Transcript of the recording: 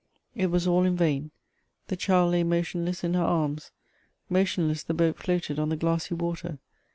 It was all in vain ; the child lay motionless in her anns ; motionless the boat floated on the glassy water.